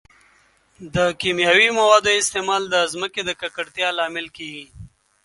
د کیمیاوي موادو استعمال د ځمکې د ککړتیا لامل کیږي.